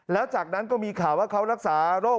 แล้วจากนั้นก็มีข่าวว่าเขารักษาโรค